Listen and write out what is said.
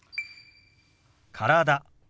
「体」。